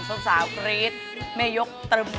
ส้มสาวกรีดไม่ยกตรม